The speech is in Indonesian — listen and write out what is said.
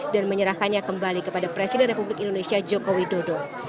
dan menyerahkannya kembali kepada presiden republik indonesia jokowi dodo